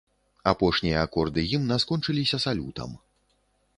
Апошнія акорды гімна скончыліся салютам.